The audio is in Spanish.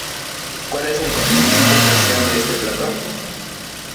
¿Cuál es el condimento especial de este plato?